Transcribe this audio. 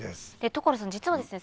所さん実はですね